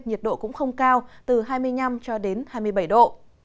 nhiệt độ cũng không cao từ hai mươi năm cho đến hai mươi bảy độ